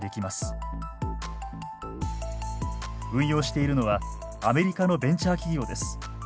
運用しているのはアメリカのベンチャー企業です。